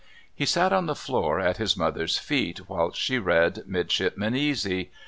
He sat on the floor at his mother's feet whilst she read "Midshipman Easy."